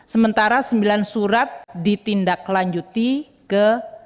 sementara sembilan surat ditindaklanjuti ke